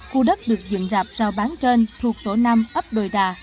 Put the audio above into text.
khu đất được dựng rạp sao bán trên thuộc tổ năm ấp đồi đà